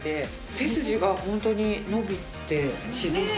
背筋がホントに伸びて自然に。